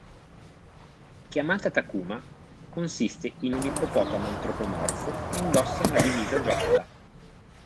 Chiamata "Takuma", consiste in un ippopotamo antropomorfo che indossa una divisa gialla.